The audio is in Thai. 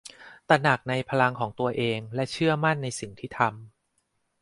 ตระหนักในพลังของตัวเองและเชื่อมั่นในสิ่งที่ทำ